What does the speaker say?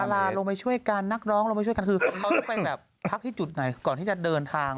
เวลาลงไปช่วยกันนักร้องลงไปช่วยกันคือเขาต้องไปแบบพักที่จุดไหนก่อนที่จะเดินทาง